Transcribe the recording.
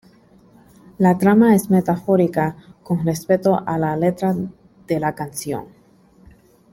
La trama es metafórica con respecto a la letra de la canción.